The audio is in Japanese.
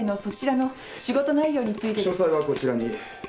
詳細はこちらに。